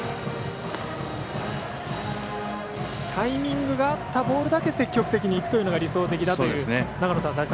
タイミングが合ったボールだけ積極的にいくというのが理想的だと長野さん